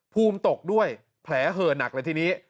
ภูมิตกด้วยแผลเหอะหนักเลยทีนี้